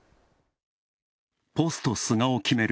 ポスト菅を決める